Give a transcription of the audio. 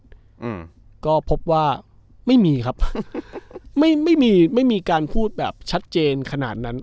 อืมก็พบว่าไม่มีครับไม่ไม่มีไม่มีการพูดแบบชัดเจนขนาดนั้น